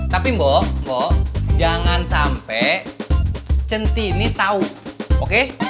tapi mbok mbok jangan sampai centini tahu oke